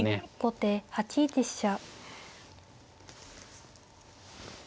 後手８一飛車。